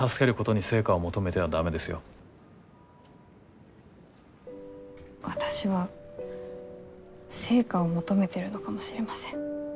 私は成果を求めてるのかもしれません。